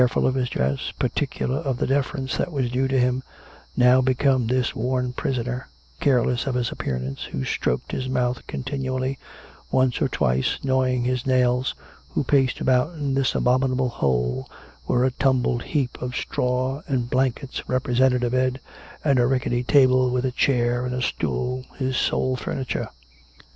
24 1 ful of his dress, particular of the deference that was due to him, now become this worn prisoner, careless of his ap pearance, who stroked his mouth continually, once or twice gnawing his nails, who paced about in this abominable hole, where a tumbled heap of straw and blankets represented a bed, and a rickety table with a chair and a stool his sole furniture.